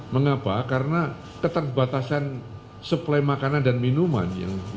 mengapa karena ketakbatasan supply makanan dan minuman